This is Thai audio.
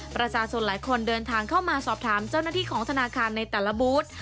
ประชาชนหลายคนเดินทางเข้ามาสอบถามเจ้าหน้าที่ของธนาคารในแต่ละบูธ